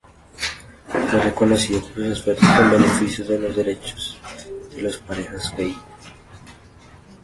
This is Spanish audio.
Fue reconocido por sus esfuerzos en beneficio de los derechos de las parejas gay.